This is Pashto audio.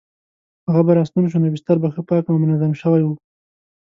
هغه به راستون شو نو بستر به ښه پاک او منظم شوی وو.